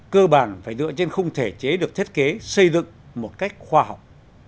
cơ bản phải dựa trên khung thể chế được thiết kế xây dựng một cách khoa học